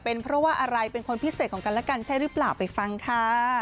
เป็นเพราะว่าอะไรเป็นคนพิเศษของกันและกันใช่หรือเปล่าไปฟังค่ะ